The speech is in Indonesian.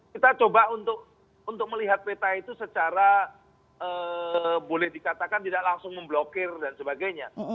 kita coba untuk melihat peta itu secara boleh dikatakan tidak langsung memblokir dan sebagainya